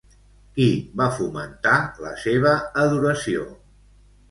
Qui va fomentar la seva adoració?